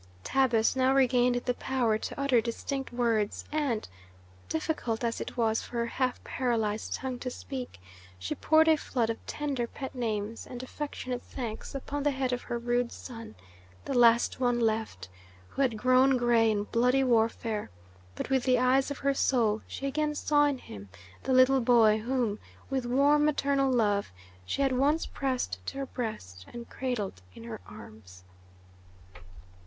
Tabus now regained the power to utter distinct words, and, difficult as it was for her half paralyzed tongue to speak, she poured a flood of tender pet names and affectionate thanks upon the head of her rude son, the last one left, who had grown gray in bloody warfare; but with the eyes of her soul she again saw in him the little boy whom, with warm maternal love, she had once pressed to her breast and cradled in her arms.